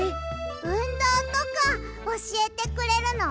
うんどうとかおしえてくれるの？